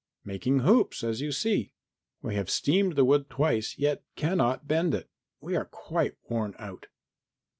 "Making hoops, as you see. We have steamed the wood twice, yet cannot bend it. We are quite worn out."